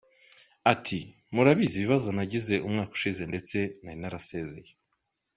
Ati “Murabizi ibibazo nagize umwaka ushize ndetse nari nanasezeye.